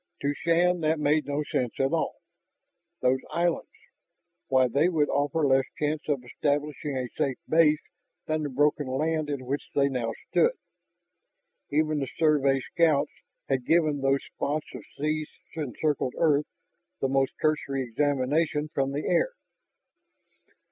To Shann that made no sense at all. Those islands ... why, they would offer less chance of establishing a safe base than the broken land in which they now stood. Even the survey scouts had given those spots of sea encircled earth the most cursory examination from the air.